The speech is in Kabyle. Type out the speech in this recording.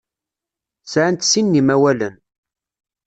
Sɛant sin n yimawalen.